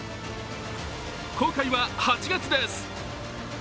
公開は８月です。